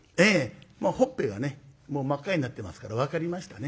ほっぺがねもう真っ赤になってますから分かりましたね。